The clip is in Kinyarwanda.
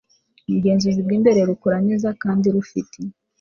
ubugenzuzi bw imbere rukora neza kandi rufite